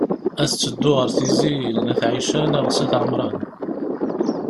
Ad teddu ɣer Tizi n at Ɛica neɣ s at Ɛemṛan?